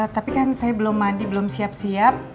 tapi kan saya belum mandi belum siap siap